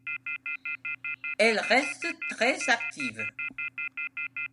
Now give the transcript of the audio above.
Elle reste très active.